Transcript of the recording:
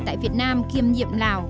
tôi thích tôi thích